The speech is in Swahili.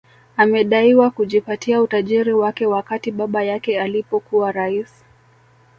Amedaiwa kujipatia utajiri wake wakati baba yake alipokuwa rais